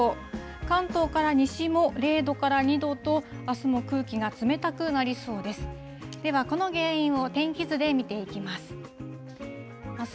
関東から西も、０度から２度と、あすも空気が冷たくなりそうです。